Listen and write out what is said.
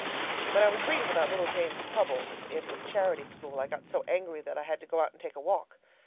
When I was reading about little Jane's troubles in the charity school, I got so angry that I had to go out and take a walk.